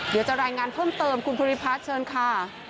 เดี๋ยวจะรายงานเพิ่มเติมคุณภูริพัฒน์เชิญค่ะ